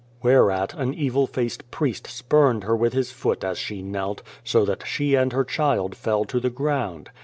" Whereat an evil faced priest spurned her with his foot as she knelt, so that she and her child fell to the ground.